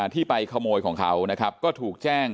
ที่ไปขโมยของเขานะครับก็ถูกแจ้ง